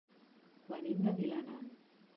Venim de Vilanant.